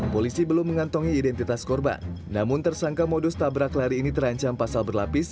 polisi belum mengantongi identitas korban namun tersangka modus tabrak lari ini terancam pasal berlapis